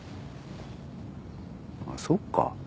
あっそっか。